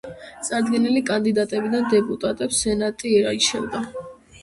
წარდგენილი კანდიდატებიდან დეპუტატებს სენატი ირჩევდა.